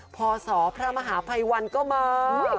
พศพระมหาภัยวันก็มา